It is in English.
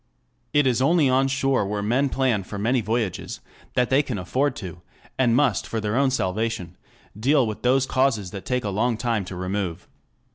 It is only on shore where men plan for many voyages, that they can afford to, and must for their own salvation, deal with those causes that take a long time to remove.